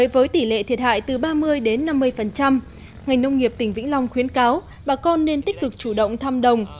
với tỷ lệ thiệt hại từ ba mươi đến năm mươi ngành nông nghiệp tỉnh vĩnh long khuyến cáo bà con nên tích cực chủ động thăm đồng